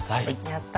やった！